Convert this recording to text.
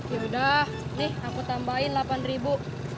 yaudah nih aku tambahin delapan ribu